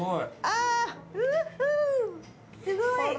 すごい。